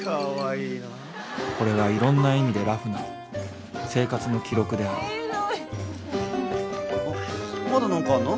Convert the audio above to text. これはいろんな意味で『ラフ』な生活の記録である「まだ何かあるの？」。